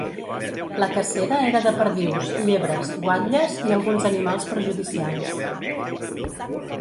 La cacera era de perdius, llebres, guatlles i alguns animals perjudicials.